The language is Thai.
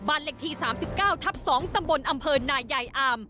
บ้านเล็กที่สามสิบเก้าทับสองตำบลอำเภอนายใหญ่อาม